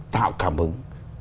tạo cảm hứng